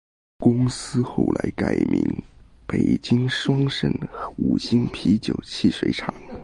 公司后来改名北京双合盛五星啤酒汽水厂。